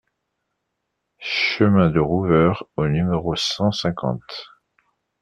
Chemin de Rouveure au numéro cent cinquante